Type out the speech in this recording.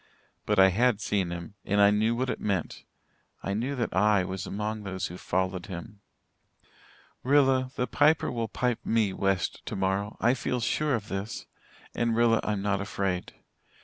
But I had seen him and I knew what it meant I knew that I was among those who followed him. "Rilla, the Piper will pipe me 'west' tomorrow. I feel sure of this. And Rilla, I'm not afraid.